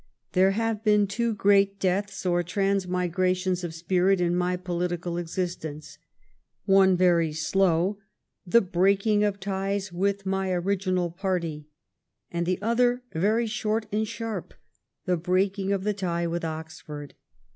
There have been two great deaths or transmigrations of spirit in my political existence — one very slow, the break ing of ties with my original party; and the other very short and sharp, the breaking of the tie with Oxford.